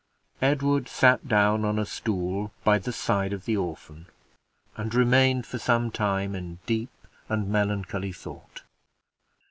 Edward sat down on a stool by the side of the orphan, and remained for some time in deep and melancholy thought.